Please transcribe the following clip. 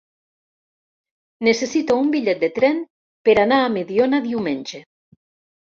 Necessito un bitllet de tren per anar a Mediona diumenge.